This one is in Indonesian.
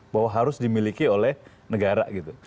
bahwa harus dimiliki oleh negara gitu